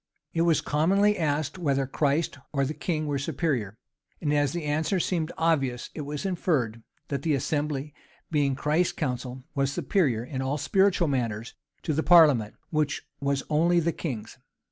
It was commonly asked whether Christ or the king were superior; and as the answer seemed obvious, it was inferred, that the assembly, being Christ's council, was superior in all spiritual matters to the parliament, which was only the king's.